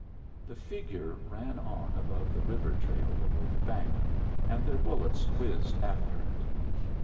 The figure ran on above the river trail below the bank, and their bullets whizzed after it.